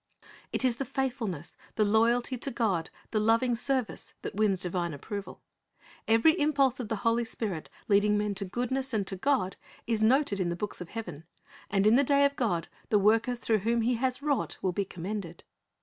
It is the faithfulness, the loyalty to God, the loving service, that wins the divine approval. Every impulse of the Holy Spirit leading men to goodness and to God, is noted in the books of heaven, and in the day of God the workers through whom He has wrought will be commended.